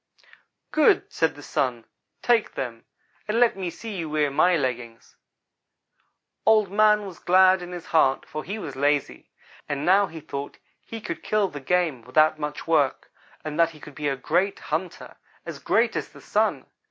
"'Good,' said the Sun, 'take them, and let me see you wear my leggings.' "Old man was glad in his heart, for he was lazy, and now he thought he could kill the game without much work, and that he could be a great hunter as great as the Sun.